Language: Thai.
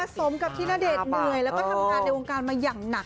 สมกับที่ณเดชน์เหนื่อยแล้วก็ทำงานในวงการมาอย่างหนัก